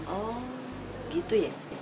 oh gitu ya